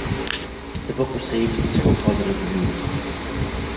The book received several positive reviews.